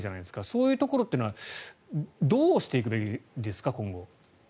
そういうところはどうしていくべきですか、今後。